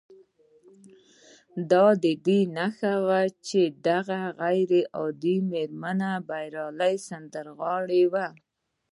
دا د دې نښه وه چې دغه غير عادي مېرمن بريالۍ سندرغاړې وه